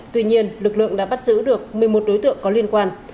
tuy nhiên lực lượng đã bắt giữ được một mươi một đối tượng có liên quan